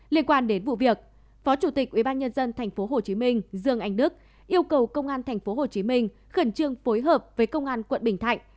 liên quan đến vụ việc phó chủ tịch ubnd tp hcm dương anh đức yêu cầu công an tp hcm khẩn trương phối hợp với công an quận bình thạnh